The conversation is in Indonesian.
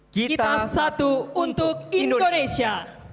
kita satu untuk indonesia